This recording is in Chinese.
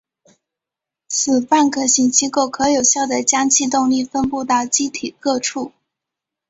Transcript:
此半壳型结构可有效的将气动力分布到机体各处。